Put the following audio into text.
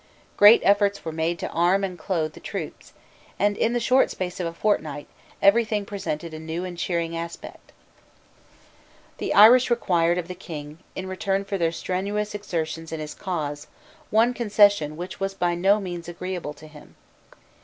Great efforts were made to arm and clothe the troops; and, in the short space of a fortnight, every thing presented a new and cheering aspect, The Irish required of the King, in return for their strenuous exertions in his cause, one concession which was by no means agreeable to him.